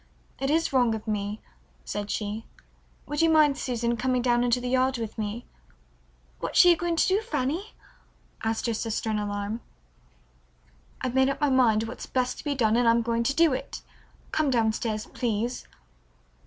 It is wrong of me," said she. "Would you mind, Susan, coming down into the yard with me?" "What are you going to do, Fanny?" asked her sister in alarm. "I've made up my mind what's best to be done, and I'm going to do it. Come down stairs, please."